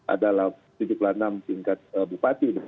ada tujuh puluh enam tingkat bupati di delapan belas sembilan belas tahun